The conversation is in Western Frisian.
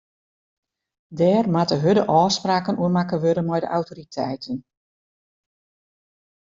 Dêr moatte hurde ôfspraken oer makke wurde mei de autoriteiten.